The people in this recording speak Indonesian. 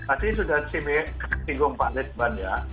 artinya sudah siming singgung pak ridwan ya